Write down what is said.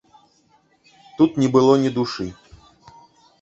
Тут не было ні душы.